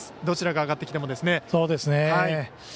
どちらが上がってきてもですね。